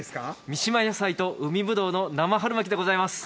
三島野菜と海ぶどうの生春巻きでございます。